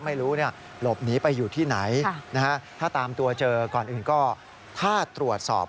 ไม่รู้หลบหนีไปอยู่ที่ไหนถ้าตามตัวเจอก่อนอื่นก็ถ้าตรวจสอบ